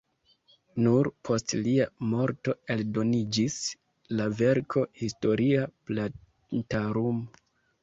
Nur post lia morto eldoniĝis la verko "Historia plantarum".